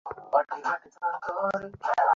মনে রাখবি, তাদেরকে হারামিপনা করার সুযোগ দেয়াটা বোকামি।